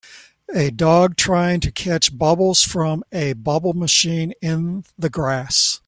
A dog trying to catch bubbles from a bubble machine in the grass